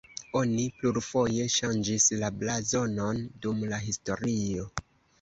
Oni plurfoje ŝanĝis la blazonon dum la historio.